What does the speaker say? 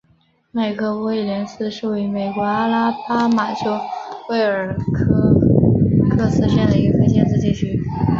麦克威廉斯是位于美国阿拉巴马州威尔科克斯县的一个非建制地区。